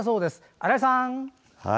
新井さん。